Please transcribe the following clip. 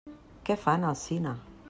Què fan al cine?